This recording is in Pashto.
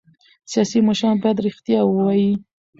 سیاسي مشران باید رښتیا ووايي